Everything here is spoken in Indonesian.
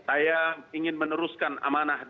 saya ingin meneruskan amanah di kpu